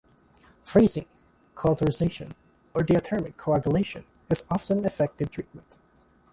Freezing, cauterization, or diathermy coagulation is often effective treatment.